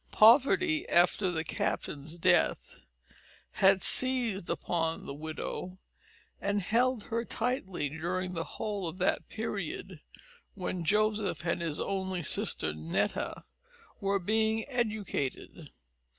Poverty, after the captain's death, had seized upon the widow, and held her tightly down during the whole of that period when Joseph and his only sister Netta were being educated.